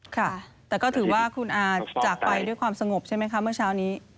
ค่ะแต่ก็ถือว่าคุณอาจากไปด้วยความสงบใช่ไหมคะเมื่อเช้านี้